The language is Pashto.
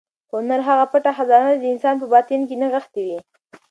هنر هغه پټه خزانه ده چې د انسان په باطن کې نغښتې وي.